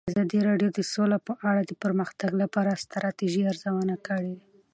ازادي راډیو د سوله په اړه د پرمختګ لپاره د ستراتیژۍ ارزونه کړې.